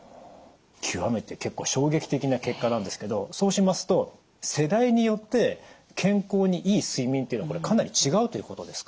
極めて結構衝撃的な結果なんですけどそうしますと世代によって健康にいい睡眠というのはかなり違うということですか？